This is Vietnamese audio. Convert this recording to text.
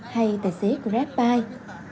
hay tài xế grabbike